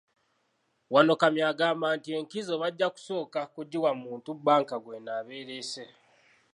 Wano Kamya agamba nti enkizo bajja kusooka kugiwa muntu bbanka gw'enaaba ereese.